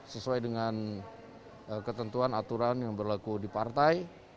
sesuai dengan ketentuan aturan yang berlaku di partai